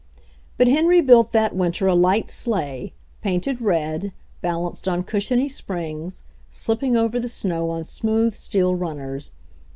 But Henry built that winter a light sleigh, painted red, balanced on cushiony springs, slip ping over the snow on smooth steel runners.